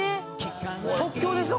即興ですか！？